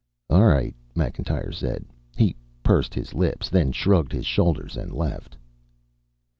"All right," Macintyre said. He pursed his lips, then shrugged his shoulders and left.